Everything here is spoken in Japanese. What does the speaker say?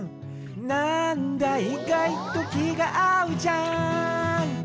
「なんだいがいときがあうじゃん」